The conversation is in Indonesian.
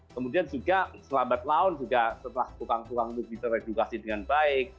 kemudian juga selamat laun juga setelah tukang tukang itu diteredukasi dengan baik